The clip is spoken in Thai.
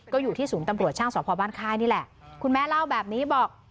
ก็อยู่ที่ศูนย์ตำรวจช่างสอบพอบ้านค่ายนี่แหละคุณแม่เล่าแบบนี้บอก